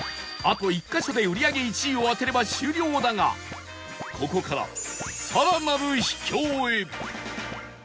あと１カ所で売り上げ１位を当てれば終了だがここから